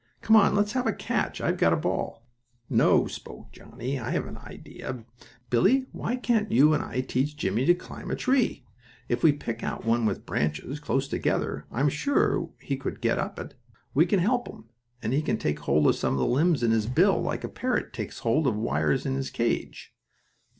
Come on, let's have a catch. I've got a ball." "No," spoke Johnnie, "I have an idea. Billie, why can't you and I teach Jimmie to climb a tree? If we pick out one with branches close together I'm sure he could get up it. We can help him, and he can take hold of some limbs in his bill, like a parrot takes hold of the wires in his cage."